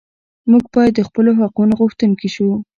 موږ باید د خپلو حقونو غوښتونکي شو.